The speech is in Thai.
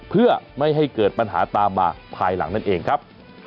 เพื่อไม่ให้เกิดปัญหาตามมาภายหลังนั่นเองครับ